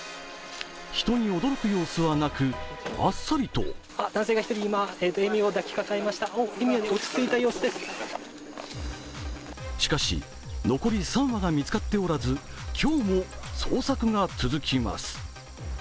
人に驚く様子はなく、あっさりとしかし、残り３羽が見つかっておらず今日も捜索が続きます。